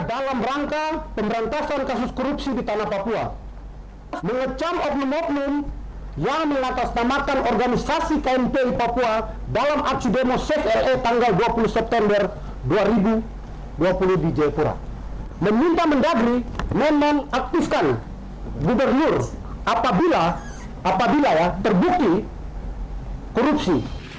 apabila terbukti korupsi